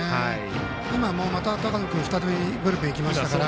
今もまた高野君再びブルペンに行きましたから。